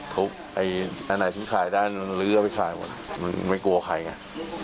ไหนที่ถ่ายได้ลื้อไปขายหมดมันไม่กลัวใครงี้